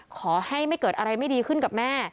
ขอให้ไม่เกิดอะไรไม่ดีขึ้นกับแม่